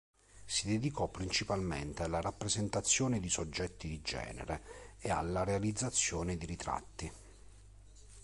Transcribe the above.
Si dedicò principalmente alla rappresentazione di soggetti di genere e alla realizzazione di ritratti.